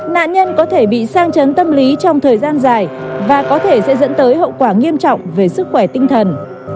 nạn nhân có thể bị sang chấn tâm lý trong thời gian dài và có thể sẽ dẫn tới hậu quả nghiêm trọng về sức khỏe tinh thần